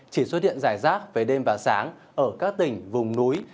chỉ xuất hiện rải rác về đêm và sáng ở các tỉnh vùng núi